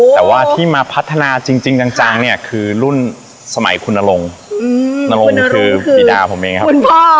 แต่ว่าที่มาพัฒนาจริงจังเนี่ยคือรุ่นสมัยคุณนรงค์นรงคือบีดาผมเองครับคุณพ่อ